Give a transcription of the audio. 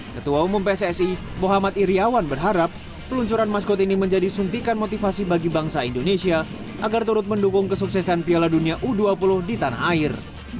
ketua umum pssi muhammad iryawan berharap peluncuran maskot ini menjadi suntikan motivasi bagi bangsa indonesia agar turut mendukung kesuksesan piala dunia u dua puluh di tanah air